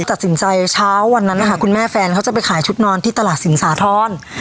ตัดสินใจเช้าวันนั้นนะคะคุณแม่แฟนเขาจะไปขายชุดนอนที่ตลาดสินสาธรณ์